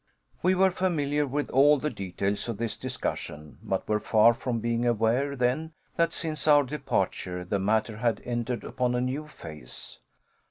We were familiar with all the details of this discussion, but were far from being aware then that since our departure the matter had entered upon a new phase.